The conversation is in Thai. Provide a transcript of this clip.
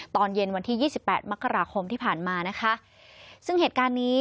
ตอนเย็นวันที่ยี่สิบแปดมกราคมที่ผ่านมานะคะซึ่งเหตุการณ์นี้